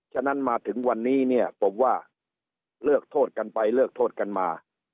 ฉะนั้นมาถึงวันนี้เนี่ยผมว่าเลิกโทษกันไปเลิกโทษกันมา